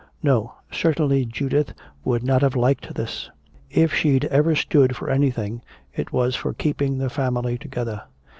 No, certainly Judith would not have liked this. If she'd ever stood for anything, it was for keeping the family together.